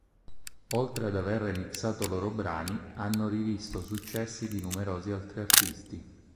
Oltre ad aver remixato loro brani, hanno rivisto successi di numerosi altri artisti.